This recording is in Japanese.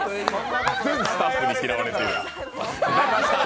全スタッフに嫌われる。